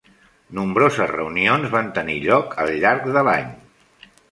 Nombroses reunions van tenir lloc al llarg de l'any.